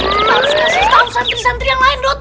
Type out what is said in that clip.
bikin itu kawan santri santri yang lain dot